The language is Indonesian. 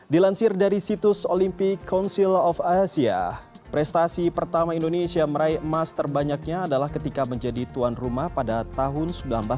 dilansir dari situs olympic council of asia prestasi pertama indonesia meraih emas terbanyaknya adalah ketika menjadi tuan rumah pada tahun seribu sembilan ratus sembilan puluh